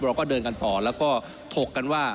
เราก็เดินกันต่อแล้วก็ถกกันว่า